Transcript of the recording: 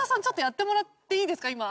ちょっとやってもらっていいですか？